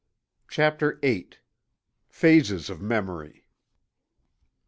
CHAPTER VIII. PHASES OF MEMORY.